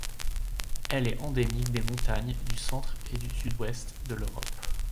Elle est endémique des montagnes du centre et du sud-ouest de l'Europe.